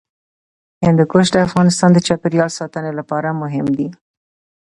هندوکش د افغانستان د چاپیریال ساتنې لپاره مهم دي.